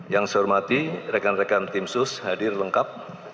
yang saya hormati rekan rekan tim sus hadir lengkap